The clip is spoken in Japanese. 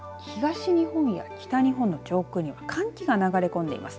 ただ、東日本や北日本の上空には寒気が流れ込んでいます。